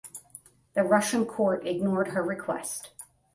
The Russian court ignored her request.